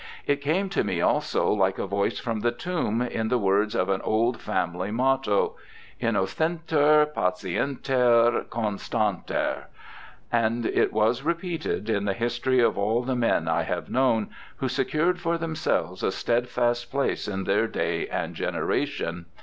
It came to me also, like a voice from the tomb, in the words of an old family motto, Inuocenter, patieuter, con stantcr, and it was repeated in the history of all the men I have known who secured for themselves a steadfast place in their day and generation.